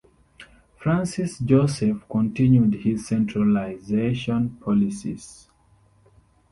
Francis Joseph continued his centralization policies.